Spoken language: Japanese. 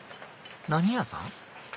何屋さん？